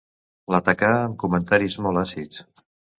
L'atacà amb comentaris molt àcids.